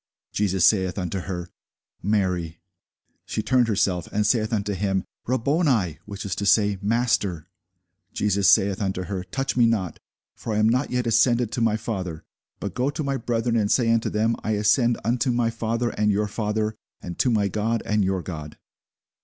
Jesus saith unto her, Mary. She turned herself, and saith unto him, Rabboni; which is to say, Master. Jesus saith unto her, Touch me not; for I am not yet ascended to my Father: but go to my brethren, and say unto them, I ascend unto my Father, and your Father; and to my God, and your God.